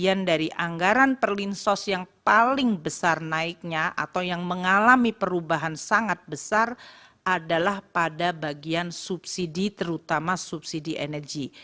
bagian dari anggaran perlinsos yang paling besar naiknya atau yang mengalami perubahan sangat besar adalah pada bagian subsidi terutama subsidi energi